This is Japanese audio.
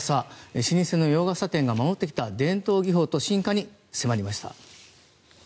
老舗の洋傘店が守ってきた伝統技法と進化に迫りました。